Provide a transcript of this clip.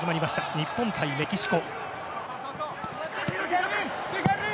日本対メキシコ。